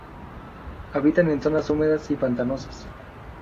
Habitan en zonas húmedas y pantanosas.